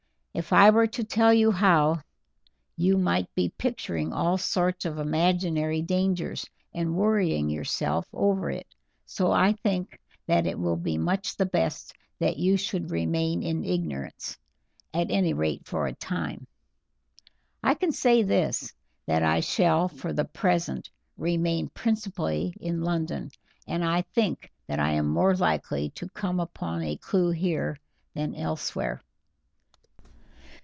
If I were to tell you how, you might be picturing all sorts of imaginary dangers and worrying yourself over it, so I think that it will be much the best that you should remain in ignorance, at any rate for a time. I can say this, that I shall for the present remain principally in London, and I think that I am more likely to come upon a clew here than elsewhere."